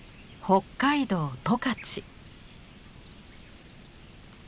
北海道十勝。